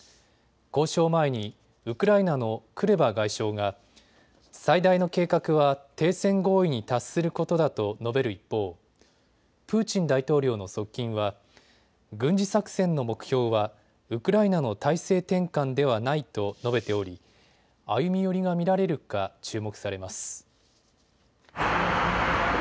交渉を前にウクライナのクレバ外相が最大の計画は停戦合意に達することだと述べる一方、プーチン大統領の側近は軍事作戦の目標はウクライナの体制転換ではないと述べており歩み寄りが見られるか注目されます。